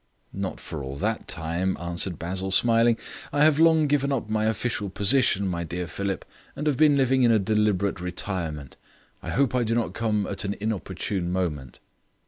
"Not for all that time," answered Basil, smiling. "I have long given up my official position, my dear Philip, and have been living in a deliberate retirement. I hope I do not come at an inopportune moment."